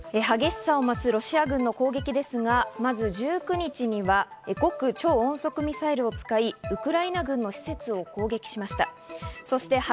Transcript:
激しさを増すロシア軍の攻撃ですが、１９日には極超音速ミサイルを使い、ウクライナ軍の施設を攻撃しました。